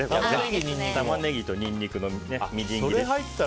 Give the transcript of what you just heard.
タマネギとニンニクのみじん切り。